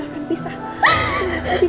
aku gak mau pisah